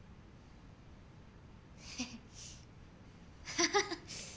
ハハハ。